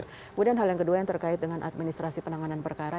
kemudian hal yang kedua yang terkait dengan administrasi penanganan perkara